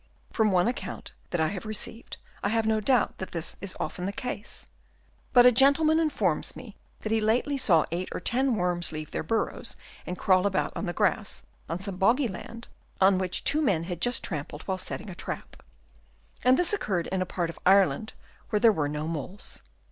From one account that I have received, I have no doubt that this is often the case ; but a gentleman informs me that he lately saw eight or ten worms leave their burrows and crawl about the grass on some boggy land on which two men had just trampled while setting a trap ; and this occurred in a part of Ireland where there were no moles.